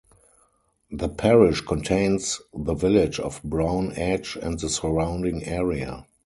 The parish contains the village of Brown Edge and the surrounding area.